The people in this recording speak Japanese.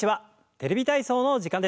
「テレビ体操」の時間です。